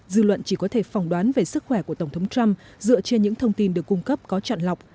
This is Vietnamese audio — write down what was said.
dư luận chỉ có thể phỏng đoán về sức khỏe của tổng thống trump dựa trên những thông tin được cung cấp có chọn lọc